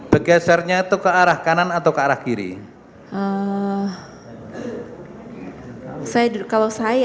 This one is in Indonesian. bergesernya itu ke arah kanan atau ke arah kiri